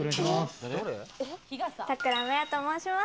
さくらまやと申します。